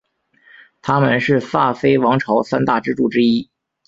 他们是萨非王朝三大支柱之一。